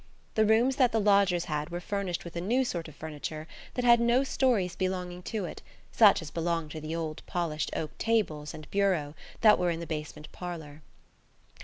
The rooms that the lodgers had were furnished with a new sort of furniture that had no stories belonging to it such as belonged to the old polished oak tables and bureaux that were in the basement parlour.